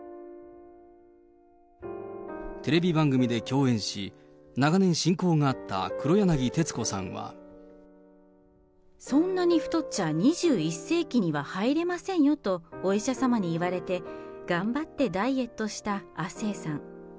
テレビ番組で共演し、そんなに太っちゃ、２１世紀には入れませんよ！とお医者様に言われて、頑張ってダイエットした亜星さん。